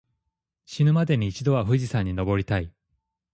死ぬまでに一度は富士山に登りたい。